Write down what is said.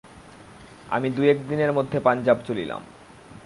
আমি দু-এক দিনের মধ্যে পাঞ্জাব চলিলাম।